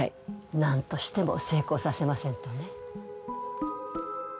なんとしても成功させませんとね。